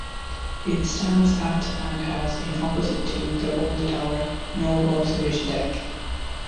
It stands at and has in opposite to the old tower no observation deck.